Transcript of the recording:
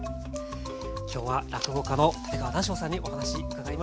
今日は落語家の立川談笑さんにお話伺いました。